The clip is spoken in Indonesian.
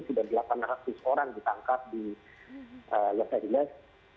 sudah delapan ratus orang ditangkap di los angeles